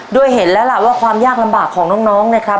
เห็นแล้วล่ะว่าความยากลำบากของน้องนะครับ